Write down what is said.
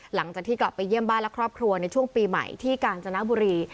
หลังจากที่กลับไปเยี่ยมบ้านและครอบครัวในช่วงปีใหม่ที่กาญจนบุรี